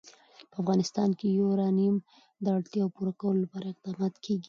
په افغانستان کې د یورانیم د اړتیاوو پوره کولو لپاره اقدامات کېږي.